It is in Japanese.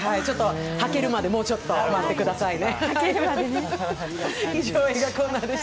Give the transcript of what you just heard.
はけるまで、もうちょっと待ってくださいね。